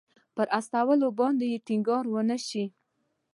پر استولو باندې ټینګار ونه شي.